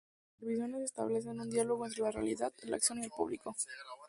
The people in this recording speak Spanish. Sus intervenciones establecen un diálogo entre la realidad, la acción y el público.